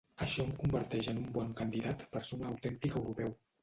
Això em converteix en un bon candidat per ser un autèntic europeu.